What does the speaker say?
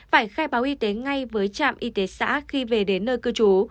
phải khai báo y tế ngay với trạm y tế xã khi về đến nơi cư trú